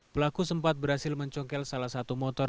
pelaku sempat berhasil mencongkel salah satu motor